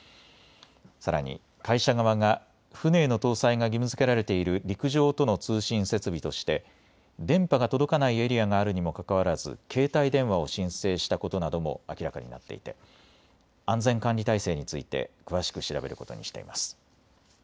さらに会社側が船への搭載が義務づけられている陸上との通信設備として電波が届かないエリアがあるにもかかわらず携帯電話を申請したことなども明らかになっていて安全管理体制について詳しく調べることにしています。